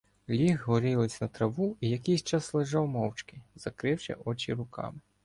Ліг горілиць на траву і якийсь час лежав мовчки, закривши очі руками.